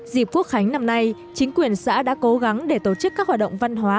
dịp quốc khánh năm nay chính quyền xã đã cố gắng để tổ chức các hoạt động văn hóa